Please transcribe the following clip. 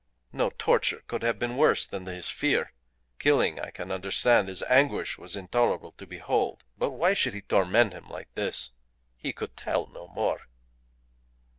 No torture could have been worse than his fear. Killing I can understand. His anguish was intolerable to behold. But why should he torment him like this? He could tell no more."